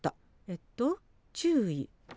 えっと注意！